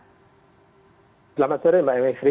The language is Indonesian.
selamat sore mbak emekri